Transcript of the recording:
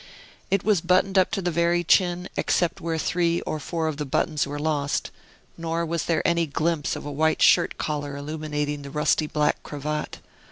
It was buttoned up to the very chin, except where three or four of the buttons were lost; nor was there any glimpse of a white shirt collar illuminating the rusty black cravat.